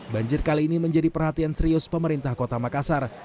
banjir kali ini menjadi perhatian serius pemerintah kota makassar